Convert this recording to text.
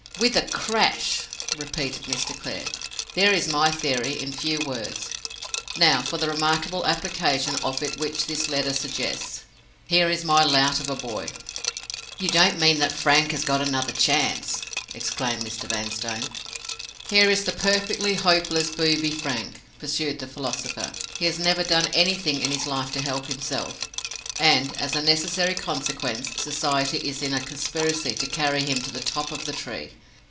"With a crash!" repeated Mr. Clare. "There is my theory, in few words. Now for the remarkable application of it which this letter suggests. Here is my lout of a boy—" "You don't mean that Frank has got another chance?" exclaimed Mr. Vanstone. "Here is this perfectly hopeless booby, Frank," pursued the philosopher. "He has never done anything in his life to help himself, and, as a necessary consequence, Society is in a conspiracy to carry him to the top of the tree.